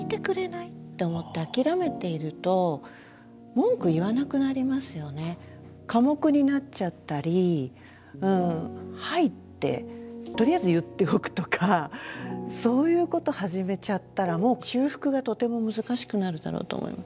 それからあとは寡黙になっちゃったり「はい」ってとりあえず言っておくとかそういうこと始めちゃったらもう修復がとても難しくなるだろうと思います。